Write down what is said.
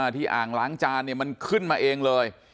อ่างล้างจานเนี่ยมันขึ้นมาเองเลย